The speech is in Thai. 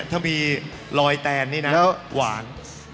ถ้ามีรอยแตนนี่นะแล้วหวาน